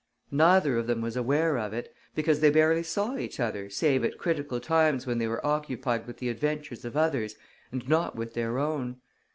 Neither of them was aware of it, because they barely saw each other save at critical times when they were occupied with the adventures of others and not with their own.